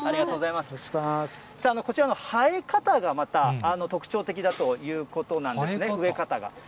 こちらの生え方がまた特徴的だということなんですね、植え方が。